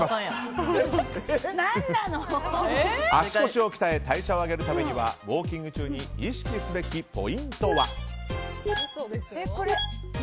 足腰を鍛え代謝を上げるためにはウォーキング中に意識すべきポイントは。